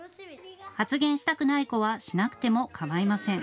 発言したくない子はしなくてもかまいません。